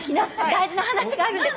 大事な話があるんで。